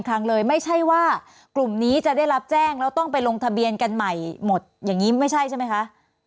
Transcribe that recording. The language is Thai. กระทรวงการคล่างเลยไม่ใช่ว่า